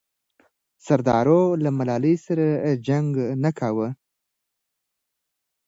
سردارو له ملالۍ سره جنګ نه کاوه.